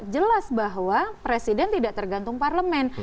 jelas bahwa presiden tidak tergantung parlemen